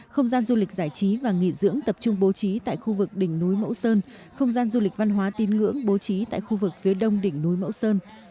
không gian du lịch giải trí và nghỉ dưỡng tập trung bố trí tại khu vực đỉnh núi mẫu sơn không gian du lịch văn hóa tín ngưỡng bố trí tại khu vực phía đông đỉnh núi mẫu sơn